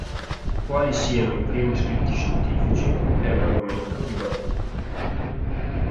Quali siano i primi scritti "scientifici" è un argomento dibattuto.